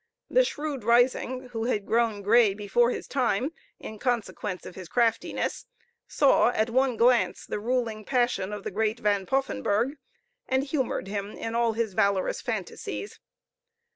The shrewd Risingh, who had grown grey much before his time, in consequence of his craftiness, saw at one glance the ruling passion of the great Van Poffenburgh, and humored him in all his valorous fantasies.